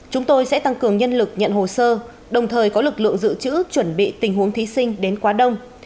chúng tôi sẽ tăng cường nhân lực nhận hồ sơ đồng thời có lực lượng dự trữ chuẩn bị tình huống thí sinh đến quá đông